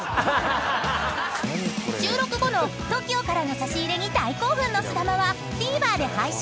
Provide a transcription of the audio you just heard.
［収録後のＴＯＫＩＯからの差し入れに大興奮のすだまはＴＶｅｒで配信。